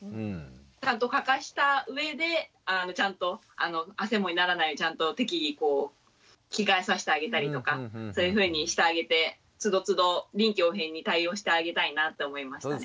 ちゃんとかかした上でちゃんとあせもにならないようにちゃんと適宜着替えさしてあげたりとかそういうふうにしてあげてつどつど臨機応変に対応してあげたいなって思いましたね。